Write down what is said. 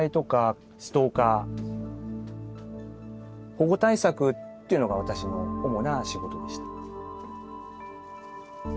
保護対策っていうのが私の主な仕事でした。